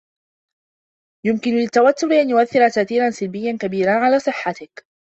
يمكن للتوتر أن يؤثر تأثيرا سلبيا كبيرا على صحتك.